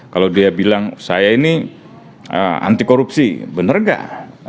kalau dia bilang saya ini anti korupsi benar nggak